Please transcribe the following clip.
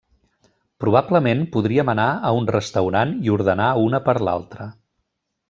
Probablement podríem anar a un restaurant i ordenar una per l'altra.